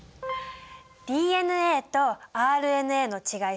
ＤＮＡとＲＮＡの違い